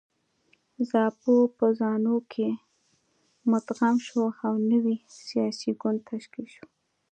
زاپو په زانو کې مدغم شو او نوی سیاسي ګوند تشکیل شو.